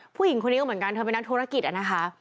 ผู้หญิงคนนี้ก็เหมือนกันเธอเป็นนักธุรกิจอะนะคะ